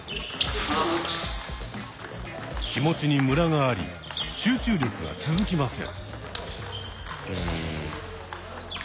気持ちにムラがあり集中力が続きません。